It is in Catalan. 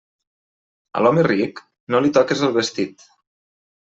A l'home ric, no li toques el vestit.